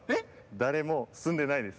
だれもすんでないです。